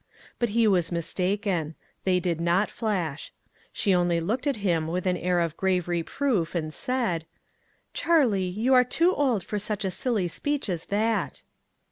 But he was mistaken. They did not flash. She only looked at him with an air of grave reproof, and said :" Charlie, you are too old for such a silly speech as that."